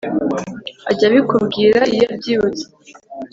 ajya abikubwira iyo abyibutse